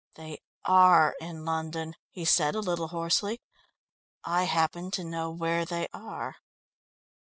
"They are in London," he said a little hoarsely. "I happen to know where they are."